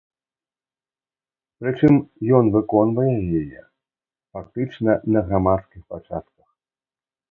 Прычым, ён выконвае яе фактычна на грамадскіх пачатках.